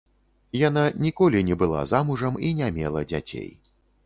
Яна ніколі не была замужам і не мела дзяцей.